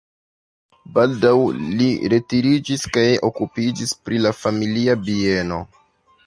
Baldaŭ li retiriĝis kaj okupiĝis pri la familia bieno.